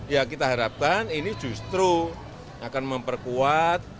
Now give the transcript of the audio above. ya kita harapkan ini justru akan memperkuat